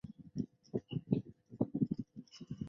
阿圭亚尔是巴西帕拉伊巴州的一个市镇。